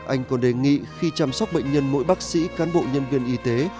anh còn đề nghị khi chăm sóc bệnh nhân mỗi bác sĩ cán bộ nhân viên y tế